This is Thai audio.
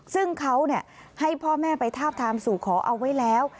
ซึ่งเขาให้พ่อแม่ไปทาบทามสู่ขอเอาไว้แล้ว